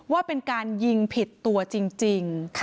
ว่าเป็นการยิงผิดตัวจริง